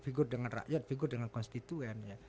figur dengan rakyat figur dengan konstituen ya